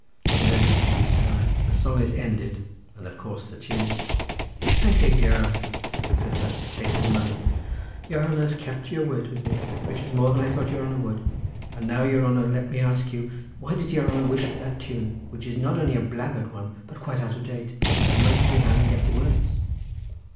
"Here it is for you," said I; "the song is ended and of course the tune." "Thank your hanner," said the fiddler, taking the money; "your hanner has kept your word with me, which is more than I thought your hanner would. And now, your hanner, let me ask you why did your hanner wish for that tune, which is not only a blackguard one, but quite out of date; and where did your hanner get the words?"